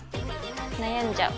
悩んじゃう。